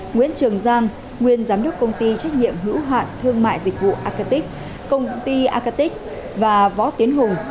nguyễn trường giang nguyên giám đốc công ty trách nhiệm hữu hạn thương mại dịch vụ acatic công ty acatic và võ tiến hùng